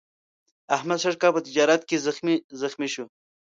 احمد سږ کال په تجارت کې زخمي زخمي شو.